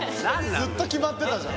ずっと決まってたじゃん。